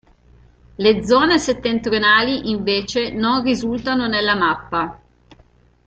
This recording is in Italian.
Le zone settentrionali invece non risultano nella mappa.